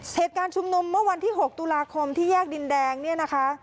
เหตุการณ์ชุมนุมเมื่อวันที่๖ตุลาคมที่แยกดินแดงเนี่ยนะคะ